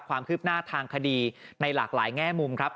ความคืบหน้าทางคดีในหลากหลายแง่มุมครับ